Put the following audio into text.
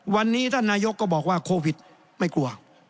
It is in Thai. วันนี้ท่านนายกก็บอกว่าโควิดไม่กลัว